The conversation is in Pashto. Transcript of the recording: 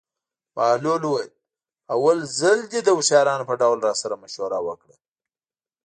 بهلول وویل: اول ځل دې د هوښیارانو په ډول راسره مشوره وکړه.